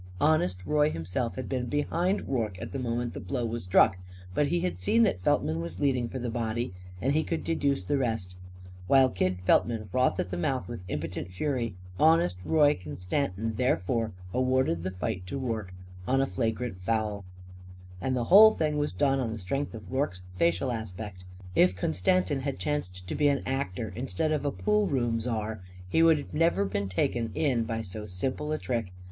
Honest Roy himself had been behind Rorke at the moment the blow was struck. But he had seen that Feltman was leading for the body. And he could deduce the rest. While Kid Feltman frothed at the mouth with impotent fury, Honest Roy Constantin thereupon awarded the fight to Rorke on a flagrant foul. And the whole thing was done on the strength of Rorke's facial aspect. If Constantin had chanced to be an actor instead of a poolroom czar he would never have been taken in by so simple a trick.